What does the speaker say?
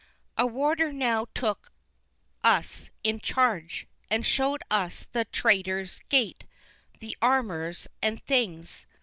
A Warder now took us in charge, and showed us the Trater's Gate, the armers, and things.